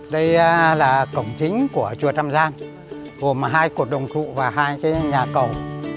đây là cổng chính của chùa trăm gian gồm hai cổ đồng thụ và hai nhà cầu